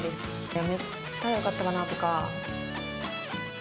やめたらよかったかなとか。